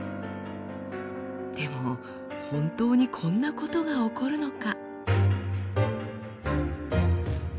でも本当にこんなことが起こるのか？